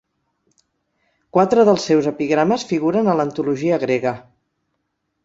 Quatre dels seus epigrames figuren a l'antologia grega.